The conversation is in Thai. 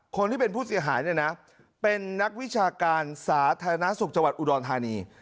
คนที่เป็นผู้เสียหายเนี่ยนะเป็นนักวิชาการสาธารณสุขจังหวัดอุดรธานี